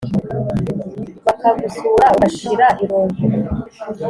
Bakagusura ugashira irungu